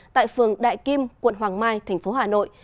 tại phường đại kim quận hoàng mai tp hà nội